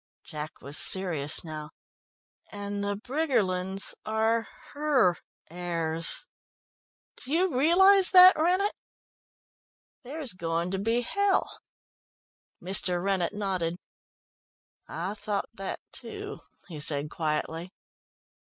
Jack was serious now. "And the Briggerlands are her heirs? Do you realise that, Rennett there's going to be hell!" Mr. Rennett nodded. "I thought that too," he said quietly.